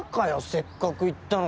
せっかく行ったのに。